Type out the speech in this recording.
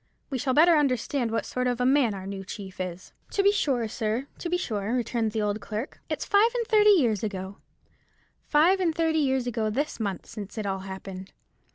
We shall better understand what sort of a man our new chief is." "To be sure, sir, to be sure," returned the old clerk. "It's five and thirty years ago,—five and thirty years ago this month, since it all happened.